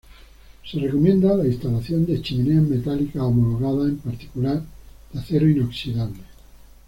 Se recomienda la instalación de chimeneas metálicas homologadas, en particular de acero inoxidable.